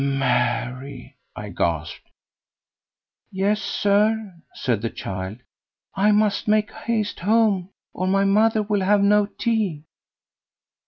"Mary!" I gasped. "Yes, sir," said the child; "I must make haste home, or my mother will have no tea."